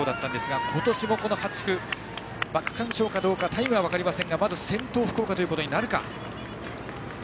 今年も８区、区間賞かどうかタイムは分かりませんが先頭は福岡ということになるか。